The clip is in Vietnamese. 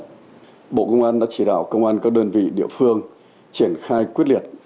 thứ nhất bộ công an đã chỉ đạo công an các đơn vị địa phương triển khai quyết liệt